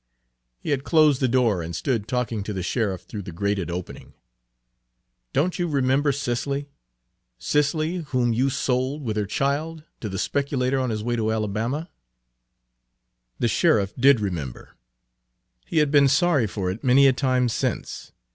He had closed the door and stood talking to the sheriff through the grated opening. "Don't you remember Cicely Cicely whom Page 85 you sold, with her child, to the speculator on his way to Alabama?" The sheriff did remember. He had been sorry for it many a time since.